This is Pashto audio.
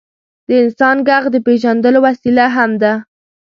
د انسان ږغ د پېژندلو وسیله هم ده.